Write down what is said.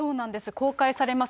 公開されます。